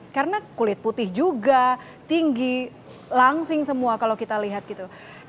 karena kulit putih juga tinggi langsing semua kalau kita lihat gitu